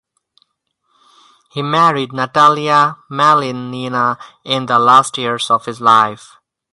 He married Natalia Malinina in the last years of his life.